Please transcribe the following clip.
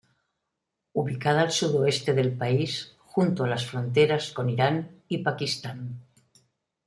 Ubicada al sudoeste del país, junto a las fronteras con Irán y Pakistán.